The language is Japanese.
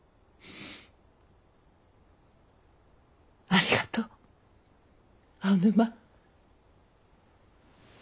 ありがとう青沼。